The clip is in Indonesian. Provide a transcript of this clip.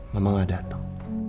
mama gak dateng